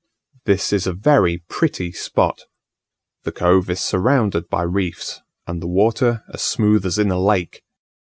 This is a very pretty spot. The cove is surrounded by reefs, and the water as smooth as in a lake.